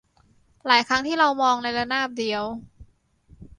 หลายครั้งที่เรามองในระนาบเดียว